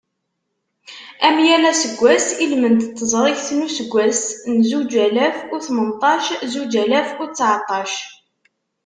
Am yal aseggas, i lmend n teẓrigt n useggas n zuǧ alaf u tmenṭac, zuǧ alaf u tteɛṭac.